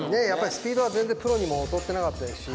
スピードは全然プロにも劣ってなかったですし